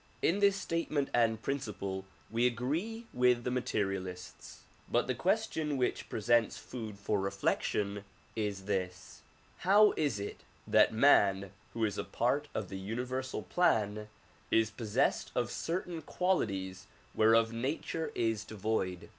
In this statement and prin ciple we agree with the materialists. But the question which pre sents food for reflection is this: How is it that man who is a part of the universal plan is possessed of certain qualities whereof nature is devoid?